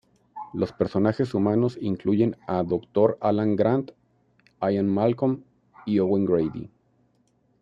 Los personajes humanos incluyen a Dr. Alan Grant, Ian Malcolm, y Owen Grady.